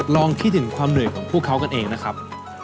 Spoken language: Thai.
ลองคิดถึงความเหนื่อยของพวกเขากันเองนะครับ